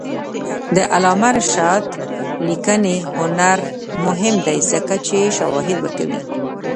د علامه رشاد لیکنی هنر مهم دی ځکه چې شواهد ورکوي.